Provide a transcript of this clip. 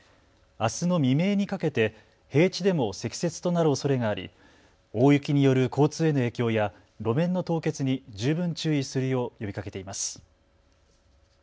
あすの未明にかけて平地でも積雪となるおそれがあり大雪による交通への影響や路面の凍結に十分注意するよう呼びかけています。